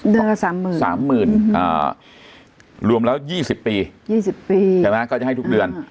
เดือนละ๓๐๐๐๓๐๐รวมแล้ว๒๐ปี๒๐ปีใช่ไหมก็จะให้ทุกเดือน